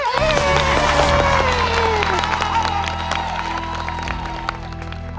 เย้